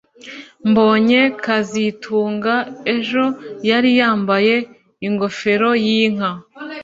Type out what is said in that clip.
Mbonye kazitunga ejo yari yambaye ingofero yinka